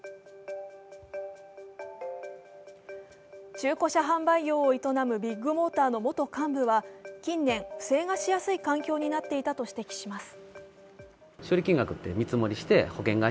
中古車販売業を営むビッグモーターの元幹部は、近年、不正がしやすい環境になっていたと話します。